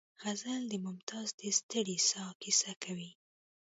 غزل د ممتاز د ستړې ساه کیسه کوي